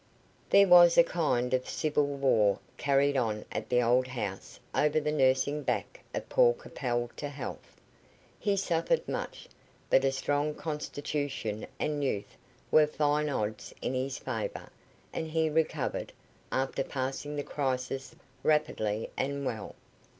There was a kind of civil war carried on at the old house over the nursing back of Paul Capel to health. He suffered much, but a strong constitution and youth were fine odds in his favour, and he recovered, after passing the crisis, rapidly and well.